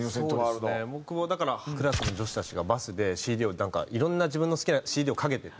僕もだからクラスの女子たちがバスでＣＤをなんかいろんな自分の好きなＣＤをかけてて。